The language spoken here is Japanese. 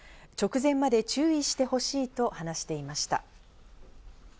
直前まで注意してほしいと話していました。